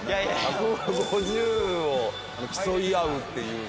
１５０を競い合うっていうさ。